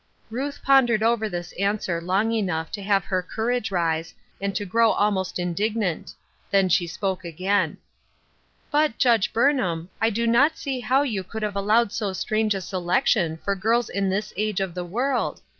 Ruth pondered over this answer long enough to have her courage rise and to grow almost indignant. Then she spoke again :" But, Judge Burnham, I do not see how you could have allowed so strange a selection for girls in this age of the world.